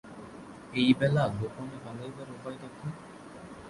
এই বেলা গােপনে পালাইবার উপায় দেখ।